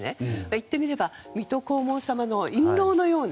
言ってみれば水戸黄門様の印籠のような。